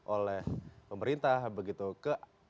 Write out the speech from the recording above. oleh pemerintah begitu ke